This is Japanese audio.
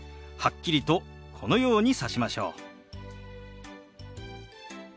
はっきりとこのようにさしましょう。